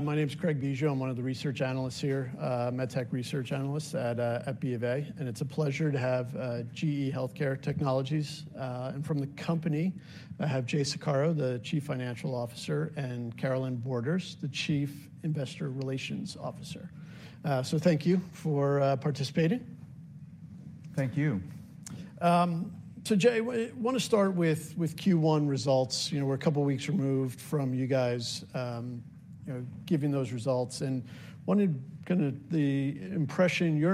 My name is Craig Bijou. I'm one of the research analysts here, MedTech research analysts at BofA. It's a pleasure to have GE HealthCare Technologies. From the company, I have Jay Saccaro, the Chief Financial Officer, and Carolynne Borders, the Chief Investor Relations Officer. Thank you for participating. Thank you. So Jay, I want to start with Q1 results. We're a couple of weeks removed from you guys giving those results. And I wanted kind of your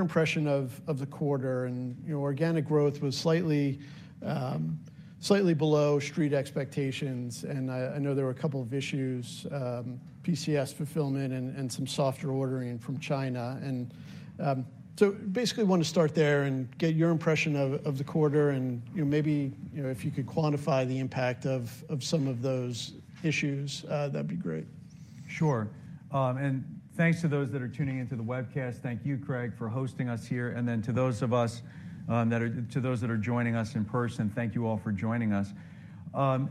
impression of the quarter. And organic growth was slightly below Street expectations. And I know there were a couple of issues: PCS fulfillment and some softer ordering from China. And so basically, I want to start there and get your impression of the quarter. And maybe if you could quantify the impact of some of those issues, that'd be great. Sure. Thanks to those that are tuning into the webcast. Thank you, Craig, for hosting us here. Then to those of us that are joining us in person, thank you all for joining us.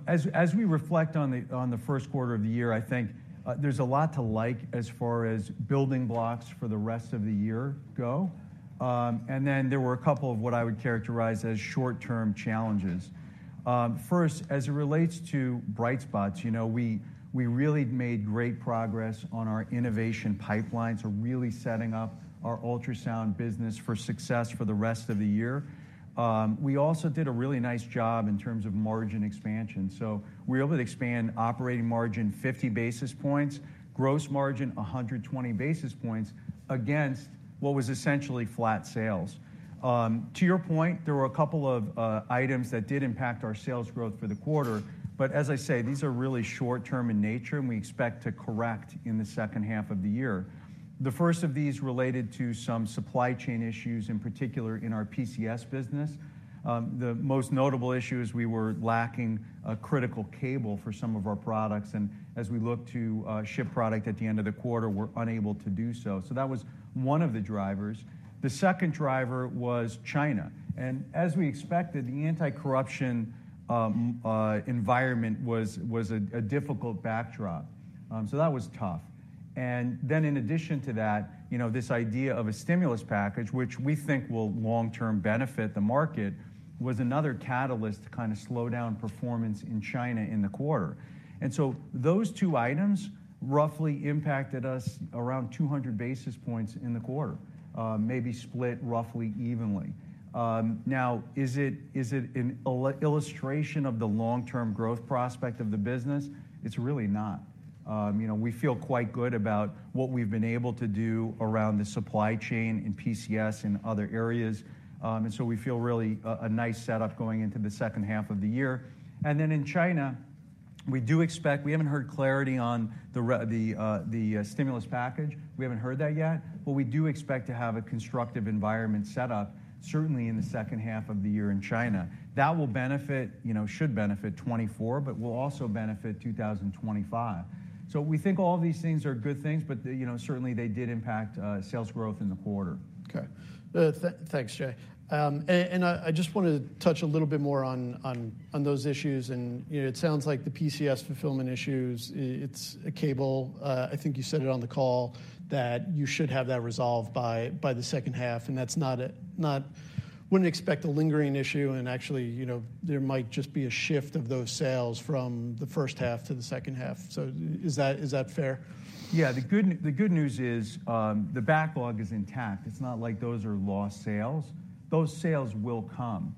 As we reflect on the first quarter of the year, I think there's a lot to like as far as building blocks for the rest of the year go. Then there were a couple of what I would characterize as short-term challenges. First, as it relates to bright spots, we really made great progress on our innovation pipelines or really setting up our ultrasound business for success for the rest of the year. We also did a really nice job in terms of margin expansion. We were able to expand operating margin 50 basis points, gross margin 120 basis points, against what was essentially flat sales. To your point, there were a couple of items that did impact our sales growth for the quarter. But as I say, these are really short-term in nature. And we expect to correct in the second half of the year. The first of these related to some supply chain issues, in particular in our PCS business. The most notable issue is we were lacking critical cable for some of our products. And as we looked to ship product at the end of the quarter, we're unable to do so. So that was one of the drivers. The second driver was China. And as we expected, the anti-corruption environment was a difficult backdrop. So that was tough. And then in addition to that, this idea of a stimulus package, which we think will long-term benefit the market, was another catalyst to kind of slow down performance in China in the quarter. Those two items roughly impacted us around 200 basis points in the quarter, maybe split roughly evenly. Now, is it an illustration of the long-term growth prospect of the business? It's really not. We feel quite good about what we've been able to do around the supply chain and PCS and other areas. We feel really a nice setup going into the second half of the year. And then in China, we do expect we haven't heard clarity on the stimulus package. We haven't heard that yet. But we do expect to have a constructive environment set up, certainly in the second half of the year in China. That will benefit, should benefit 2024, but will also benefit 2025. We think all of these things are good things. But certainly, they did impact sales growth in the quarter. Okay. Thanks, Jay. I just wanted to touch a little bit more on those issues. It sounds like the PCS fulfillment issues, it's a cable. I think you said it on the call that you should have that resolved by the second half. That's not one we would expect to be a lingering issue. Actually, there might just be a shift of those sales from the first half to the second half. So is that fair? Yeah. The good news is the backlog is intact. It's not like those are lost sales. Those sales will come.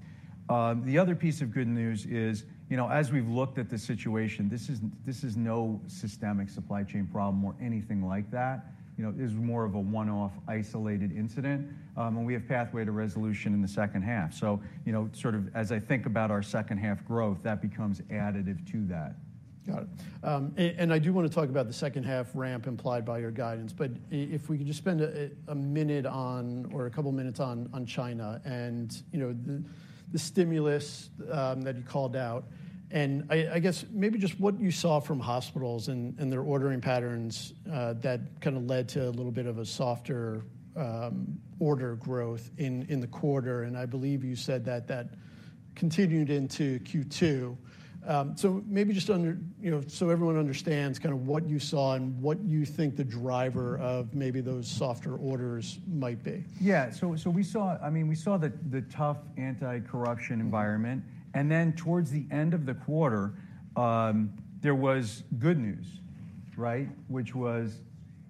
The other piece of good news is, as we've looked at the situation, this is no systemic supply chain problem or anything like that. It is more of a one-off isolated incident. And we have pathway to resolution in the second half. So sort of as I think about our second half growth, that becomes additive to that. Got it. I do want to talk about the second half ramp implied by your guidance. If we could just spend a minute on or a couple of minutes on China and the stimulus that you called out. I guess maybe just what you saw from hospitals and their ordering patterns that kind of led to a little bit of a softer order growth in the quarter. I believe you said that that continued into Q2. Maybe just so everyone understands kind of what you saw and what you think the driver of maybe those softer orders might be. Yeah. So we saw, I mean, we saw, the tough anti-corruption environment. And then towards the end of the quarter, there was good news, which was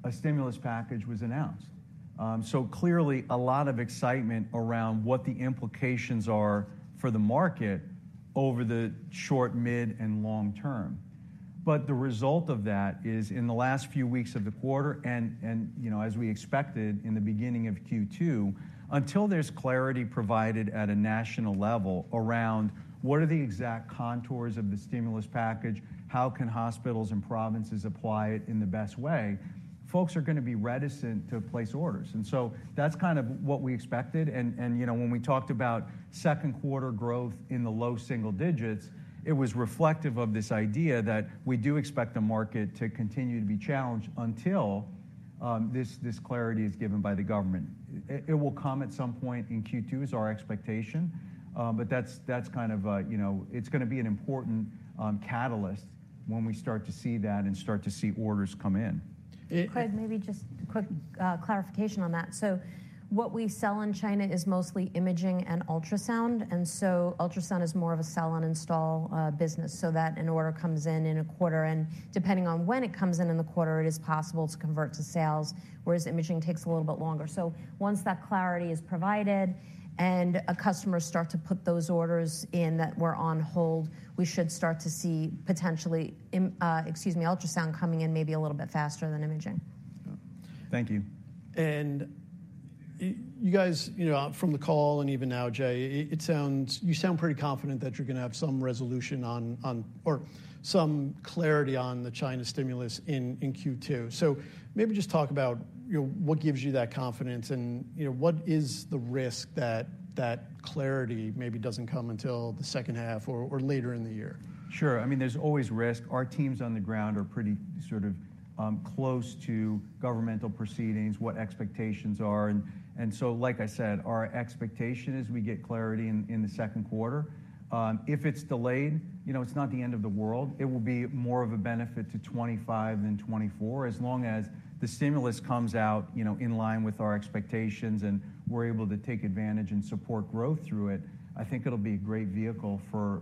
a stimulus package was announced. So clearly, a lot of excitement around what the implications are for the market over the short, mid, and long term. But the result of that is, in the last few weeks of the quarter and as we expected in the beginning of Q2, until there's clarity provided at a national level around what are the exact contours of the stimulus package, how can hospitals and provinces apply it in the best way, folks are going to be reticent to place orders. And so that's kind of what we expected. When we talked about second quarter growth in the low single digits, it was reflective of this idea that we do expect the market to continue to be challenged until this clarity is given by the government. It will come at some point in Q2, is our expectation. But that's kind of, it's going to be an important catalyst when we start to see that and start to see orders come in. Craig, maybe just a quick clarification on that. So what we sell in China is mostly imaging and ultrasound. And so ultrasound is more of a sell-and-install business so that an order comes in in a quarter. And depending on when it comes in in the quarter, it is possible to convert to sales, whereas imaging takes a little bit longer. So once that clarity is provided and customers start to put those orders in that were on hold, we should start to see potentially excuse me, ultrasound coming in maybe a little bit faster than imaging. Thank you. And you guys from the call and even now, Jay, you sound pretty confident that you're going to have some resolution on or some clarity on the China stimulus in Q2. So maybe just talk about what gives you that confidence. And what is the risk that clarity maybe doesn't come until the second half or later in the year? Sure. I mean, there's always risk. Our teams on the ground are pretty sort of close to governmental proceedings, what expectations are. And so like I said, our expectation is we get clarity in the second quarter. If it's delayed, it's not the end of the world. It will be more of a benefit to 2025 than 2024. As long as the stimulus comes out in line with our expectations and we're able to take advantage and support growth through it, I think it'll be a great vehicle for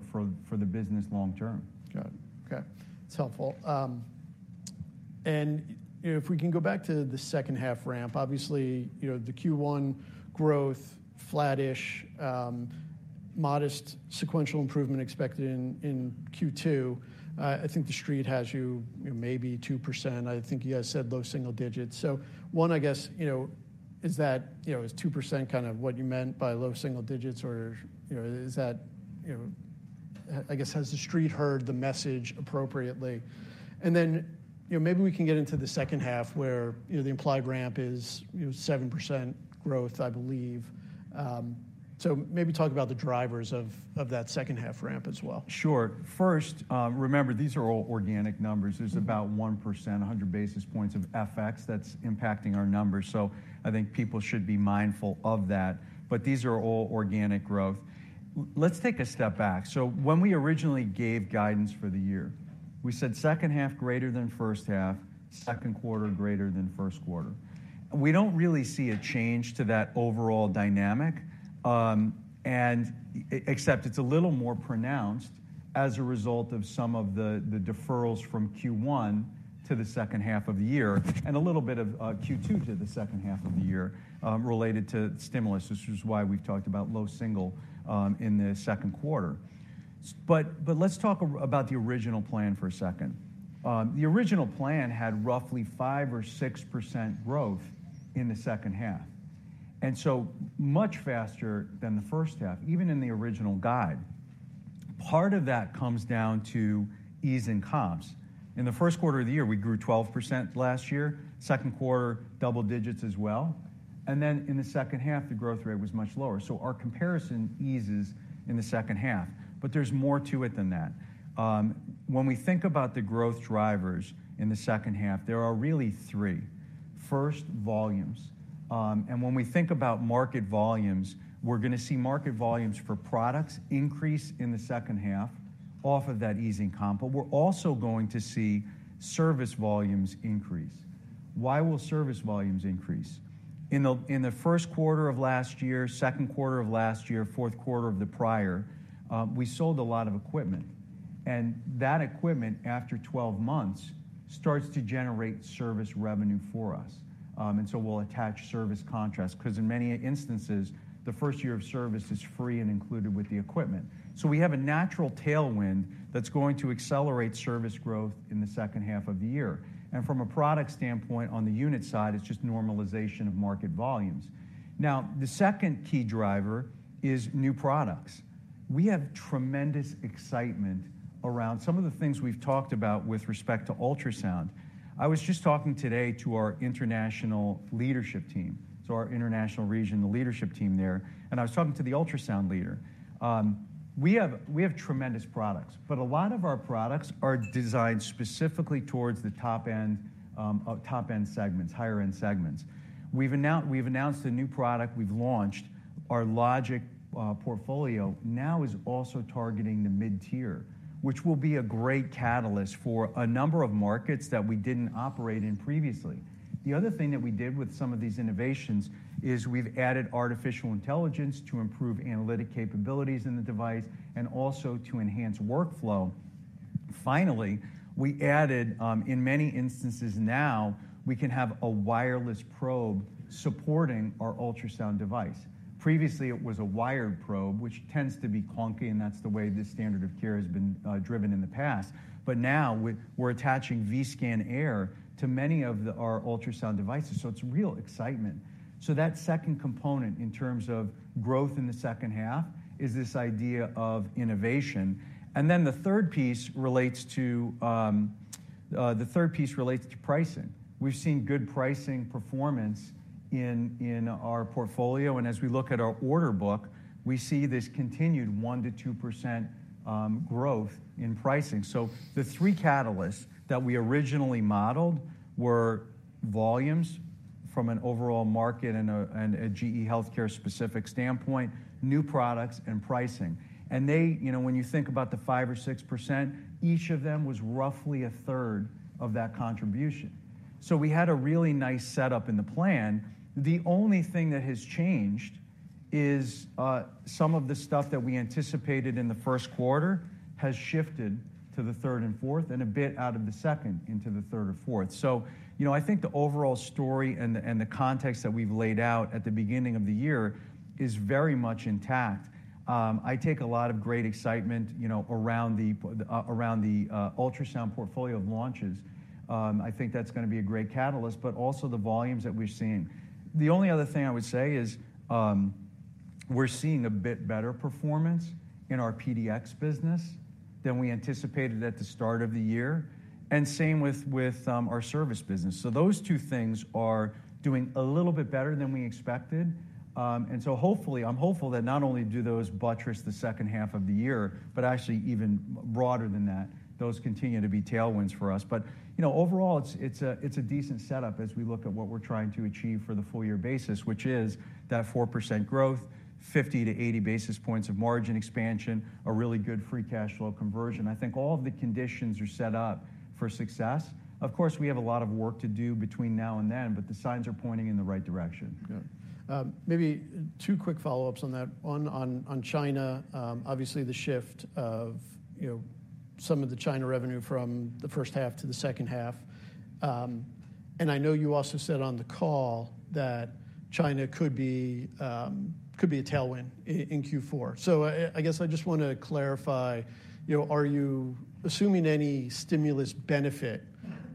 the business long term. Got it. OK. That's helpful. And if we can go back to the second half ramp, obviously, the Q1 growth flat-ish, modest sequential improvement expected in Q2. I think the Street has you maybe 2%. I think you guys said low single digits. So one, I guess, is that is 2% kind of what you meant by low single digits? Or is that I guess, has the Street heard the message appropriately? And then maybe we can get into the second half where the implied ramp is 7% growth, I believe. So maybe talk about the drivers of that second half ramp as well. Sure. First, remember, these are all organic numbers. There's about 1%, 100 basis points of FX that's impacting our numbers. So I think people should be mindful of that. But these are all organic growth. Let's take a step back. So when we originally gave guidance for the year, we said second half greater than first half, second quarter greater than first quarter. We don't really see a change to that overall dynamic except it's a little more pronounced as a result of some of the deferrals from Q1 to the second half of the year and a little bit of Q2 to the second half of the year related to stimulus, which is why we've talked about low single in the second quarter. But let's talk about the original plan for a second. The original plan had roughly 5% or 6% growth in the second half and so much faster than the first half, even in the original guide. Part of that comes down to ease in comps. In the first quarter of the year, we grew 12% last year. Second quarter, double digits as well. And then in the second half, the growth rate was much lower. So our comparison eases in the second half. But there's more to it than that. When we think about the growth drivers in the second half, there are really three. First, volumes. And when we think about market volumes, we're going to see market volumes for products increase in the second half off of that easing comp. But we're also going to see service volumes increase. Why will service volumes increase? In the first quarter of last year, second quarter of last year, fourth quarter of the prior, we sold a lot of equipment. That equipment, after 12 months, starts to generate service revenue for us. So we'll attach service contracts because in many instances, the first year of service is free and included with the equipment. We have a natural tailwind that's going to accelerate service growth in the second half of the year. From a product standpoint, on the unit side, it's just normalization of market volumes. Now, the second key driver is new products. We have tremendous excitement around some of the things we've talked about with respect to ultrasound. I was just talking today to our international leadership team, so our international region, the leadership team there. I was talking to the ultrasound leader. We have tremendous products. But a lot of our products are designed specifically towards the top-end segments, higher-end segments. We've announced a new product. We've launched. Our LOGIQ portfolio now is also targeting the mid-tier, which will be a great catalyst for a number of markets that we didn't operate in previously. The other thing that we did with some of these innovations is we've added artificial intelligence to improve analytic capabilities in the device and also to enhance workflow. Finally, we added in many instances now, we can have a wireless probe supporting our ultrasound device. Previously, it was a wired probe, which tends to be clunky. And that's the way the standard of care has been driven in the past. But now, we're attaching Vscan Air to many of our ultrasound devices. So it's real excitement. So that second component in terms of growth in the second half is this idea of innovation. And then the third piece relates to pricing. We've seen good pricing performance in our portfolio. And as we look at our order book, we see this continued 1%-2% growth in pricing. So the three catalysts that we originally modeled were volumes from an overall market and a GE HealthCare specific standpoint, new products, and pricing. And when you think about the 5% or 6%, each of them was roughly a third of that contribution. So we had a really nice setup in the plan. The only thing that has changed is some of the stuff that we anticipated in the first quarter has shifted to the third and fourth and a bit out of the second into the third or fourth. So I think the overall story and the context that we've laid out at the beginning of the year is very much intact. I take a lot of great excitement around the ultrasound portfolio of launches. I think that's going to be a great catalyst, but also the volumes that we're seeing. The only other thing I would say is we're seeing a bit better performance in our PDx business than we anticipated at the start of the year. And same with our service business. So those two things are doing a little bit better than we expected. And so hopefully, I'm hopeful that not only do those buttress the second half of the year, but actually even broader than that, those continue to be tailwinds for us. But overall, it's a decent setup as we look at what we're trying to achieve for the full year basis, which is that 4% growth, 50-80 basis points of margin expansion, a really good free cash flow conversion. I think all of the conditions are set up for success. Of course, we have a lot of work to do between now and then. But the signs are pointing in the right direction. Yeah. Maybe two quick follow-ups on that. One, on China. Obviously, the shift of some of the China revenue from the first half to the second half. And I know you also said on the call that China could be a tailwind in Q4. So I guess I just want to clarify. Are you assuming any stimulus benefit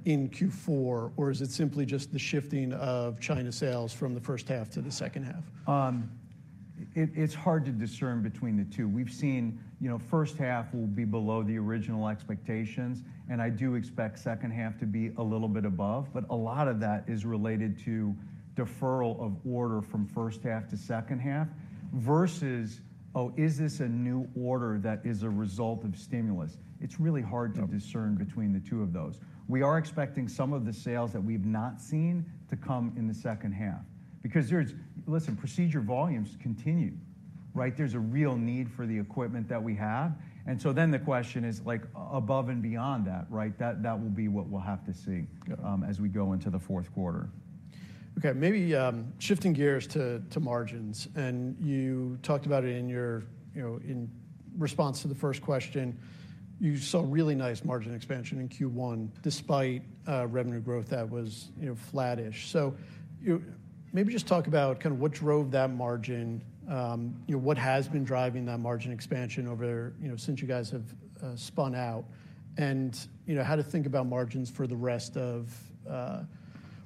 in Q4? Or is it simply just the shifting of China sales from the first half to the second half? It's hard to discern between the two. We've seen first half will be below the original expectations. And I do expect second half to be a little bit above. But a lot of that is related to deferral of order from first half to second half versus, oh, is this a new order that is a result of stimulus? It's really hard to discern between the two of those. We are expecting some of the sales that we've not seen to come in the second half because there's listen, procedure volumes continue. There's a real need for the equipment that we have. And so then the question is, above and beyond that, that will be what we'll have to see as we go into the fourth quarter. OK. Maybe shifting gears to margins. You talked about it in your response to the first question. You saw really nice margin expansion in Q1 despite revenue growth that was flat-ish. So maybe just talk about kind of what drove that margin, what has been driving that margin expansion since you guys have spun out, and how to think about margins for the rest of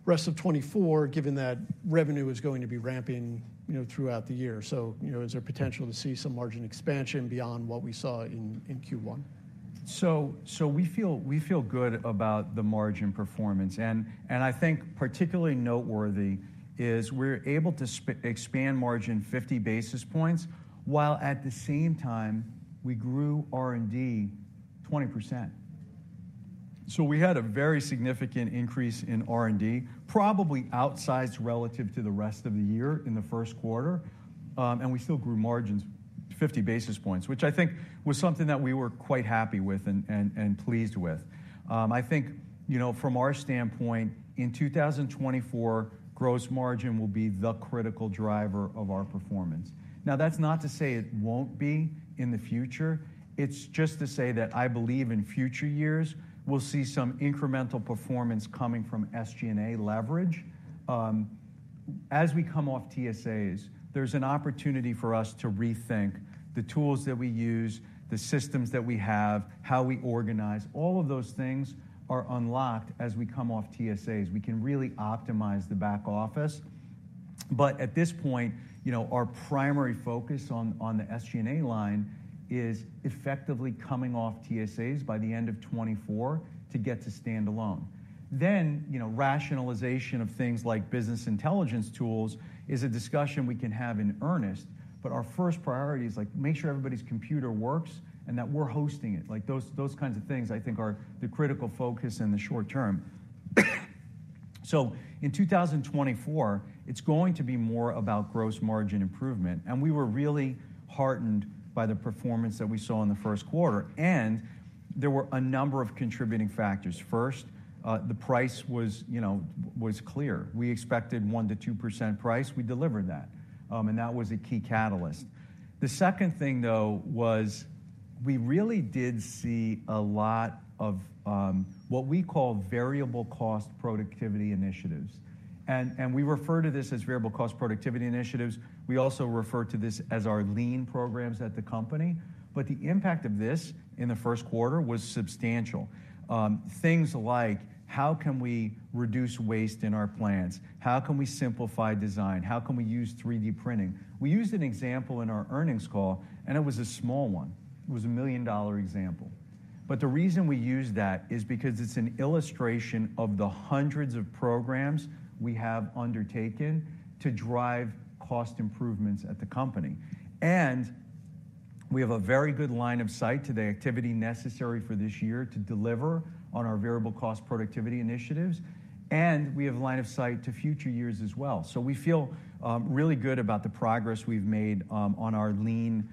2024 given that revenue is going to be ramping throughout the year. So is there potential to see some margin expansion beyond what we saw in Q1? We feel good about the margin performance. I think particularly noteworthy is we're able to expand margin 50 basis points while, at the same time, we grew R&D 20%. We had a very significant increase in R&D, probably outsized relative to the rest of the year in the first quarter. We still grew margins 50 basis points, which I think was something that we were quite happy with and pleased with. I think from our standpoint, in 2024, gross margin will be the critical driver of our performance. Now, that's not to say it won't be in the future. It's just to say that I believe in future years, we'll see some incremental performance coming from SG&A leverage. As we come off TSAs, there's an opportunity for us to rethink the tools that we use, the systems that we have, how we organize. All of those things are unlocked as we come off TSAs. We can really optimize the back office. But at this point, our primary focus on the SG&A line is effectively coming off TSAs by the end of 2024 to get to stand alone. Then rationalization of things like business intelligence tools is a discussion we can have in earnest. But our first priority is, like, make sure everybody's computer works and that we're hosting it. Those kinds of things I think are the critical focus in the short term. So in 2024, it's going to be more about gross margin improvement. And we were really heartened by the performance that we saw in the first quarter. And there were a number of contributing factors. First, the price was clear. We expected 1%-2% price. We delivered that. And that was a key catalyst. The second thing, though, was we really did see a lot of what we call variable cost productivity initiatives. And we refer to this as variable cost productivity initiatives. We also refer to this as our lean programs at the company. But the impact of this in the first quarter was substantial, things like, how can we reduce waste in our plants? How can we simplify design? How can we use 3D printing? We used an example in our earnings call. And it was a small one. It was a $1 million example. But the reason we used that is because it's an illustration of the hundreds of programs we have undertaken to drive cost improvements at the company. And we have a very good line of sight to the activity necessary for this year to deliver on our variable cost productivity initiatives. We have a line of sight to future years as well. We feel really good about the progress we've made on our lean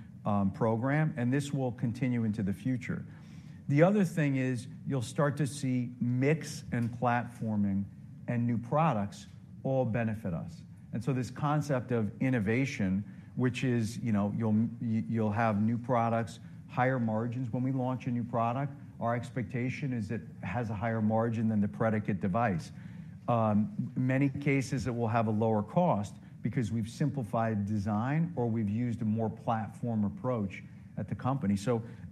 program. This will continue into the future. The other thing is you'll start to see mix and platforming and new products all benefit us. This concept of innovation, which is you'll have new products, higher margins when we launch a new product, our expectation is it has a higher margin than the predicate device. In many cases, it will have a lower cost because we've simplified design or we've used a more platform approach at the company.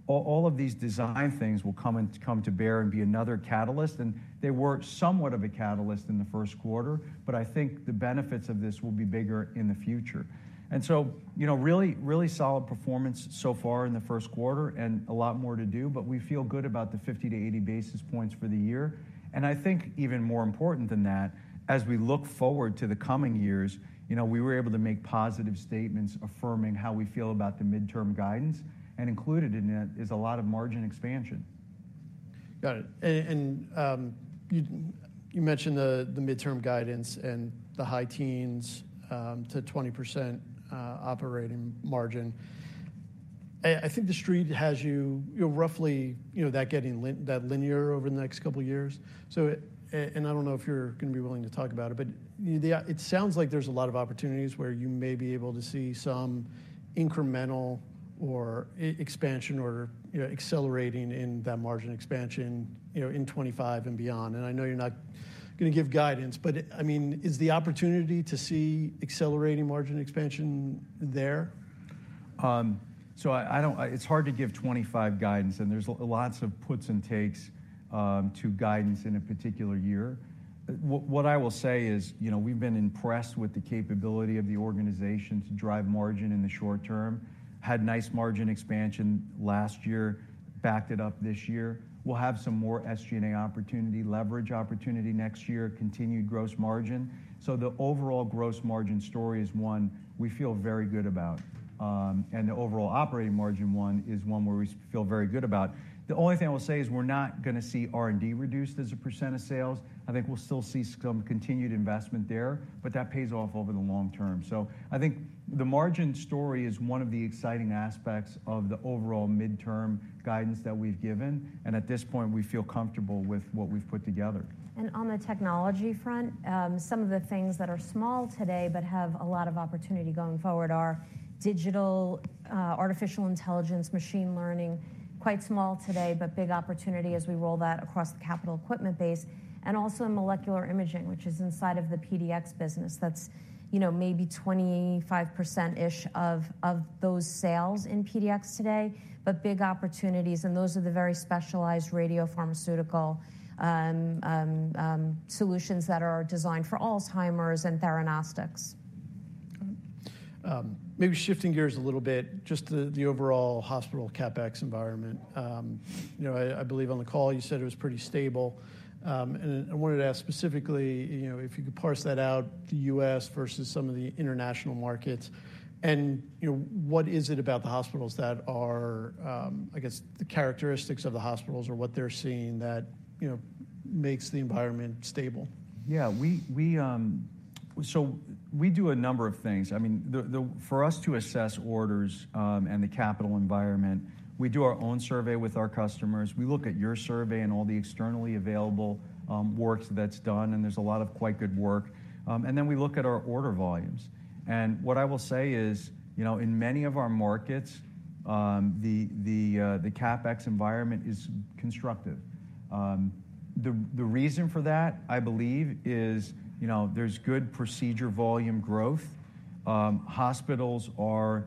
All of these design things will come to bear and be another catalyst. They were somewhat of a catalyst in the first quarter. But I think the benefits of this will be bigger in the future. And so really, really solid performance so far in the first quarter and a lot more to do. But we feel good about the 50-80 basis points for the year. And I think even more important than that, as we look forward to the coming years, we were able to make positive statements affirming how we feel about the mid-term guidance. And included in it is a lot of margin expansion. Got it. And you mentioned the mid-term guidance and the high teens-20% operating margin. I think the Street has you roughly that getting linear over the next couple of years. And I don't know if you're going to be willing to talk about it. But it sounds like there's a lot of opportunities where you may be able to see some incremental or expansion or accelerating in that margin expansion in 2025 and beyond. And I know you're not going to give guidance. But I mean, is the opportunity to see accelerating margin expansion there? So it's hard to give 2025 guidance. And there's lots of puts and takes to guidance in a particular year. What I will say is we've been impressed with the capability of the organization to drive margin in the short term, had nice margin expansion last year, backed it up this year. We'll have some more SG&A opportunity, leverage opportunity next year, continued gross margin. So the overall gross margin story is one we feel very good about. And the overall operating margin, one, is one where we feel very good about. The only thing I will say is we're not going to see R&D reduced as a % of sales. I think we'll still see some continued investment there. But that pays off over the long term. So I think the margin story is one of the exciting aspects of the overall mid-term guidance that we've given. At this point, we feel comfortable with what we've put together. On the technology front, some of the things that are small today but have a lot of opportunity going forward are digital, artificial intelligence, machine learning, quite small today but big opportunity as we roll that across the capital equipment base, and also in molecular imaging, which is inside of the PDx business. That's maybe 25%-ish of those sales in PDx today, but big opportunities. Those are the very specialized radiopharmaceutical solutions that are designed for Alzheimer's and theranostics. Maybe shifting gears a little bit, just the overall hospital CapEx environment. I believe on the call, you said it was pretty stable. I wanted to ask specifically if you could parse that out, the U.S. versus some of the international markets. What is it about the hospitals that are, I guess, the characteristics of the hospitals or what they're seeing that makes the environment stable? Yeah. So we do a number of things. I mean, for us to assess orders and the capital environment, we do our own survey with our customers. We look at your survey and all the externally available work that's done. And there's a lot of quite good work. And then we look at our order volumes. And what I will say is in many of our markets, the CapEx environment is constructive. The reason for that, I believe, is there's good procedure volume growth. Hospitals are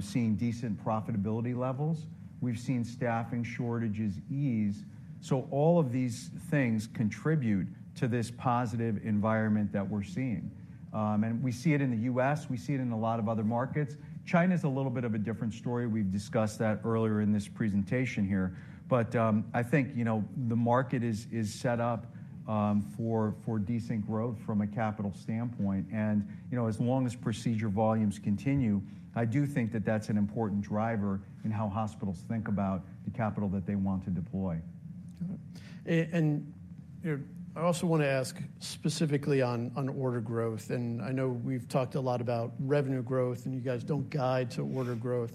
seeing decent profitability levels. We've seen staffing shortages ease. So all of these things contribute to this positive environment that we're seeing. And we see it in the U.S. We see it in a lot of other markets. China is a little bit of a different story. We've discussed that earlier in this presentation here. I think the market is set up for decent growth from a capital standpoint. As long as procedure volumes continue, I do think that that's an important driver in how hospitals think about the capital that they want to deploy. Got it. I also want to ask specifically on order growth. I know we've talked a lot about revenue growth. You guys don't guide to order growth.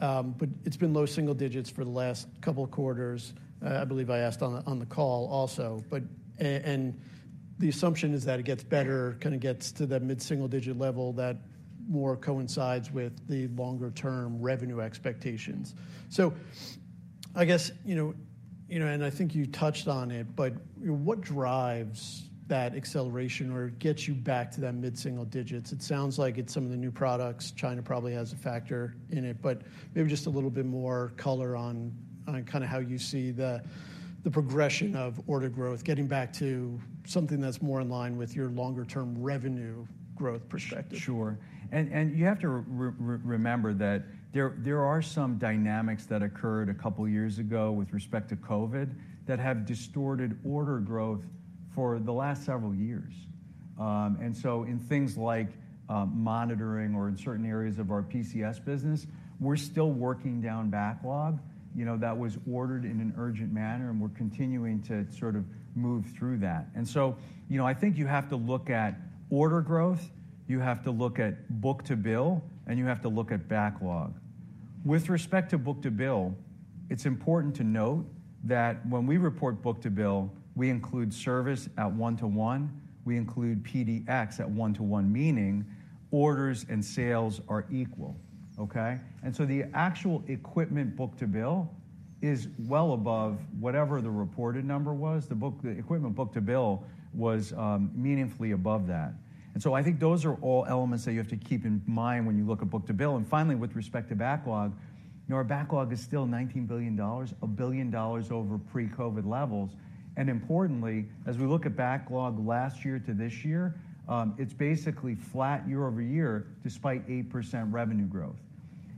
But it's been low single digits for the last couple of quarters. I believe I asked on the call also. The assumption is that it gets better, kind of gets to that mid-single digit level that more coincides with the longer-term revenue expectations. So I guess and I think you touched on it. But what drives that acceleration or gets you back to that mid-single digits? It sounds like it's some of the new products. China probably has a factor in it. But maybe just a little bit more color on kind of how you see the progression of order growth, getting back to something that's more in line with your longer-term revenue growth perspective. Sure. And you have to remember that there are some dynamics that occurred a couple of years ago with respect to COVID that have distorted order growth for the last several years. And so in things like monitoring or in certain areas of our PCS business, we're still working down backlog that was ordered in an urgent manner. And we're continuing to sort of move through that. And so I think you have to look at order growth. You have to look at book-to-bill. And you have to look at backlog. With respect to book-to-bill, it's important to note that when we report book-to-bill, we include service at 1:1. We include PDx at 1:1, meaning orders and sales are equal. And so the actual equipment book-to-bill is well above whatever the reported number was. The equipment book-to-bill was meaningfully above that. So I think those are all elements that you have to keep in mind when you look at book-to-bill. And finally, with respect to backlog, our backlog is still $19 billion, $1 billion over pre-COVID levels. And importantly, as we look at backlog last year to this year, it's basically flat year-over-year despite 8% revenue growth.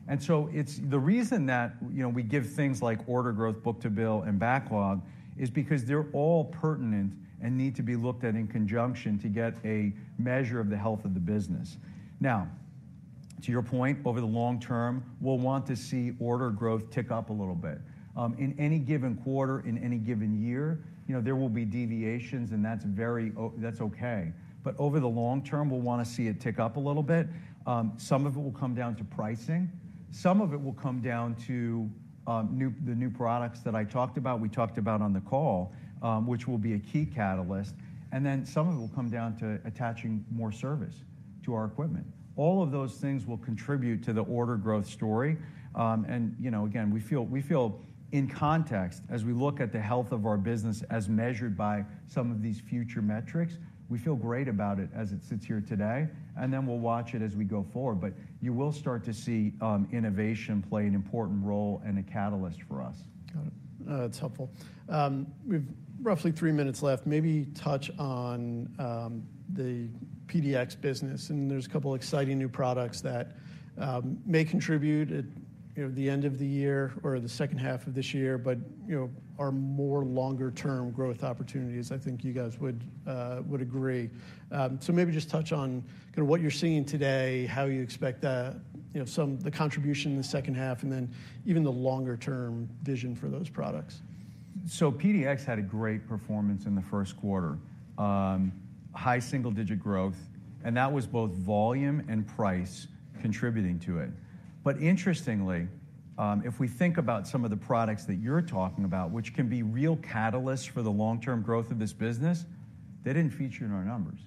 And so the reason that we give things like order growth, book-to-bill, and backlog is because they're all pertinent and need to be looked at in conjunction to get a measure of the health of the business. Now, to your point, over the long term, we'll want to see order growth tick up a little bit. In any given quarter, in any given year, there will be deviations. And that's OK. But over the long term, we'll want to see it tick up a little bit. Some of it will come down to pricing. Some of it will come down to the new products that I talked about, we talked about on the call, which will be a key catalyst. And then some of it will come down to attaching more service to our equipment. All of those things will contribute to the order growth story. And again, we feel in context, as we look at the health of our business as measured by some of these future metrics, we feel great about it as it sits here today. And then we'll watch it as we go forward. But you will start to see innovation play an important role and a catalyst for us. Got it. That's helpful. We've roughly three minutes left. Maybe touch on the PDx business. And there's a couple of exciting new products that may contribute at the end of the year or the second half of this year but are more longer-term growth opportunities. I think you guys would agree. So maybe just touch on what you're seeing today, how you expect the contribution in the second half, and then even the longer-term vision for those products. So PDx had a great performance in the first quarter, high single-digit growth. And that was both volume and price contributing to it. But interestingly, if we think about some of the products that you're talking about, which can be real catalysts for the long-term growth of this business, they didn't feature in our numbers.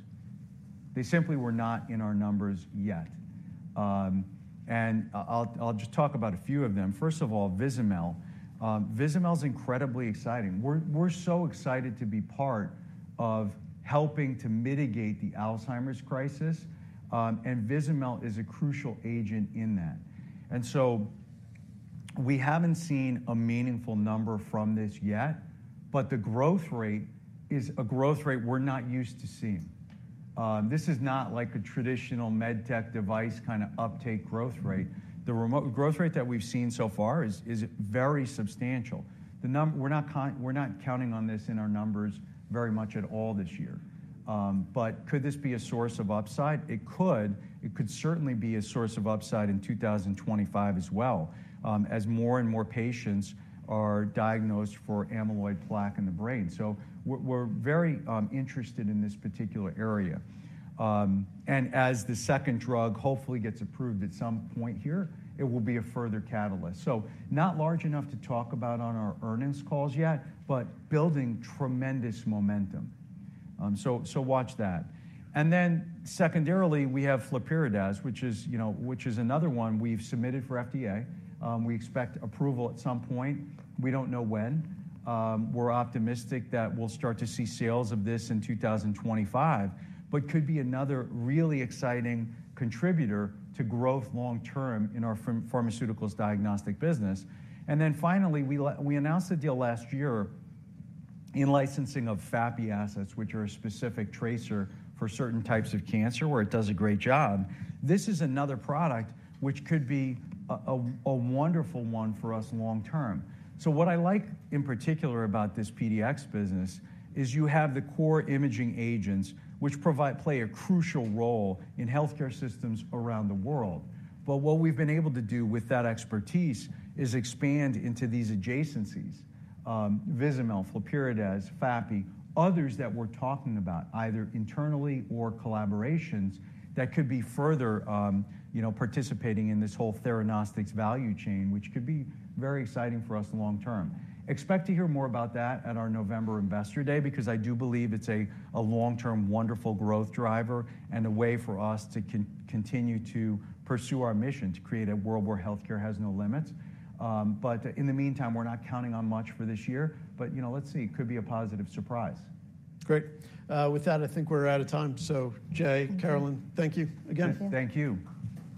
They simply were not in our numbers yet. And I'll just talk about a few of them. First of all, Vizamyl. Vizamyl is incredibly exciting. We're so excited to be part of helping to mitigate the Alzheimer's crisis. And Vizamyl is a crucial agent in that. And so we haven't seen a meaningful number from this yet. But the growth rate is a growth rate we're not used to seeing. This is not like a traditional med tech device kind of uptake growth rate. The growth rate that we've seen so far is very substantial. We're not counting on this in our numbers very much at all this year. But could this be a source of upside? It could. It could certainly be a source of upside in 2025 as well, as more and more patients are diagnosed for amyloid plaque in the brain. So we're very interested in this particular area. And as the second drug hopefully gets approved at some point here, it will be a further catalyst. So not large enough to talk about on our earnings calls yet, but building tremendous momentum. So watch that. And then secondarily, we have flurpiridaz, which is another one we've submitted for FDA. We expect approval at some point. We don't know when. We're optimistic that we'll start to see sales of this in 2025 but could be another really exciting contributor to growth long term in our Pharmaceutical Diagnostics business. And then finally, we announced a deal last year in licensing of FAPI assets, which are a specific tracer for certain types of cancer where it does a great job. This is another product which could be a wonderful one for us long term. So what I like in particular about this PDx business is you have the core imaging agents, which play a crucial role in health care systems around the world. But what we've been able to do with that expertise is expand into these adjacencies, Vizamyl, flurpiridaz, FAPI, others that we're talking about, either internally or collaborations, that could be further participating in this whole theranostics value chain, which could be very exciting for us long term. Expect to hear more about that at our November Investor Day because I do believe it's a long-term wonderful growth driver and a way for us to continue to pursue our mission to create a world where health care has no limits. But in the meantime, we're not counting on much for this year. But let's see. It could be a positive surprise. Great. With that, I think we're out of time. So Jay, Carolynne, thank you again. Thank you.